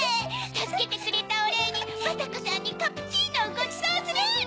たすけてくれたおれいにバタコさんにカプチーノをごちそうするの！